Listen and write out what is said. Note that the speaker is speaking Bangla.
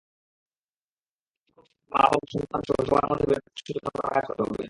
শিক্ষক, শিক্ষার্থী, মা-বাবা, সন্তানসহ সবার মধ্যে ব্যাপক সচেতনতার কাজ করতে হবে।